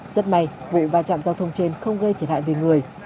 rất may vụ va chạm giao thông trên không gây thiệt hại về người